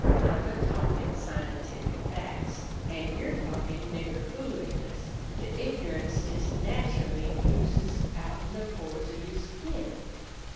"I'm a talkin' scientific fac's, an' you're talkin' nigger foolishness. The ignorance jes nachully oozes outen the pores o' your skin."